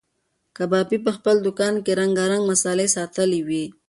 کبابي په خپل دوکان کې رنګارنګ مسالې ساتلې وې.